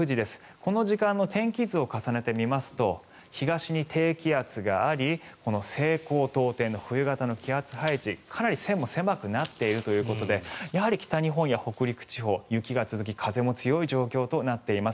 この時間の天気図を重ねてみますと東に低気圧があり西高東低の冬型の気圧配置かなり線も狭くなっているということでやはり北日本や北陸地方雪も続き風邪も強い状況となっています。